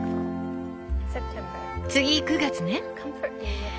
次９月ね。